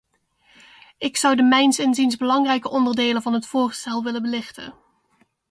Ik zou de mijns inziens belangrijkste onderdelen van het voorstel willen belichten.